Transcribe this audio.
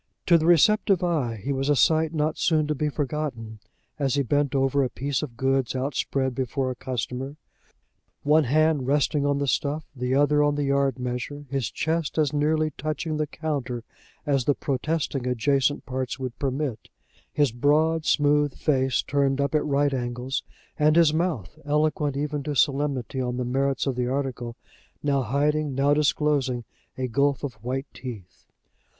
To the receptive eye he was a sight not soon to be forgotten, as he bent over a piece of goods outspread before a customer, one hand resting on the stuff, the other on the yard measure, his chest as nearly touching the counter as the protesting adjacent parts would permit, his broad smooth face turned up at right angles, and his mouth, eloquent even to solemnity on the merits of the article, now hiding, now disclosing a gulf of white teeth.